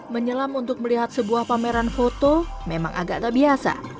menyelam untuk melihat sebuah pameran foto memang agak tak biasa